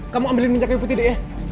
kamu ambil minyak kayu putih de ya